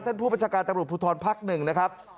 ผู้บัญชาการตำรวจภูทรภักดิ์๑นะครับ